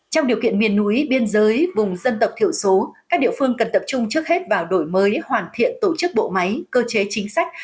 trong điều kiện miền núi biên giới vùng dân tộc thiểu số các địa phương cần tập trung trước hết vào đổi mới hoàn thiện tổ chức bộ máy cơ chế chính sách